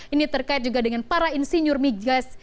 ini terkait juga dengan para insinyur migas